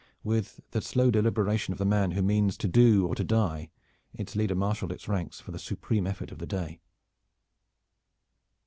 With the slow deliberation of the man who means to do or to die, its leader marshaled its ranks for the supreme effort of the day.